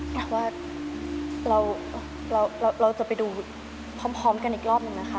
แต่ว่าเราจะไปดูพร้อมกันอีกรอบหนึ่งนะคะ